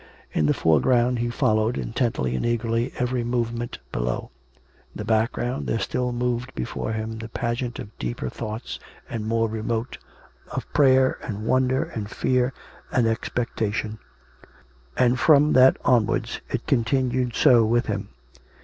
In the fore ground he followed, intently and eagerly, every movement below; in the background, there still moved before him the pageant of deeper thoughts and more remote — of prayer and wonder and fear and expectation; and from that on wards it continued so with him.